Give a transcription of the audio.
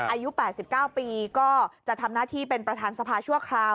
อายุ๘๙ปีก็จะทำหน้าที่เป็นประธานสภาชั่วคราว